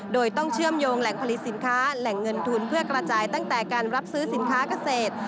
โดยต้องเชื่อมโยงแหล่งผลิตสินค้าแหล่งเงินทุนเพื่อกระจายตั้งแต่การรับซื้อสินค้าเกษตร